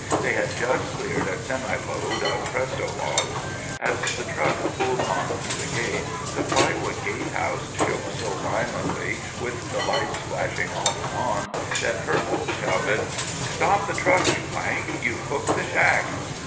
They had just cleared a semi load of Pres to Logs. As the truck pulled on through the gate, the plywood gatehouse shook so violently, with the lights flashing off and on, that Herbold shouted, "Stop the truck, you ____, you've hooked the shack!"